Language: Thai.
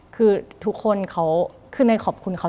คือทุกคนเขาคือเนยขอบคุณเขา